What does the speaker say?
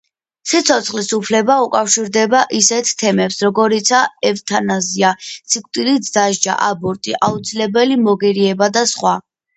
სიცოცხლის უფლება უკავშირდება ისეთ თემებს, როგორიცაა ევთანაზია, სიკვდილით დასჯა, აბორტი, აუცილებელი მოგერიება და სხვა.